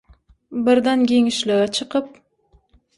birden giňişlige çykyp